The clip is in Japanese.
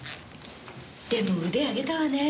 でも腕上げたわね。